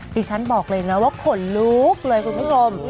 ดิฉันบอกเลยนะว่าขนลุกเลยคุณผู้ชม